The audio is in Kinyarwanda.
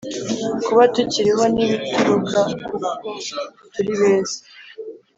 Kuba tukiriho ntibituruka kuko turi beza